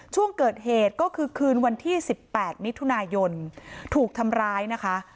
ช่วงเกิดเหตุก็คือคืนวันที่๑๘มิถุนายนถูกทำร้ายนะคะ